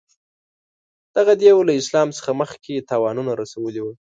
دغه دېو له اسلام څخه مخکې تاوانونه رسولي وه.